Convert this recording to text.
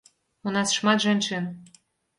У нас шмат жанчын.